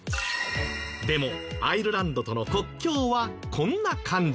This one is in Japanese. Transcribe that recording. でもアイルランドとの国境はこんな感じ。